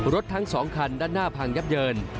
ทั้ง๒คันด้านหน้าพังยับเยิน